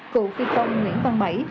cụ phi công nguyễn văn bảy